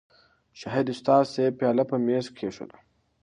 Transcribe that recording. شاهد استاذ صېب پياله پۀ مېز کېښوده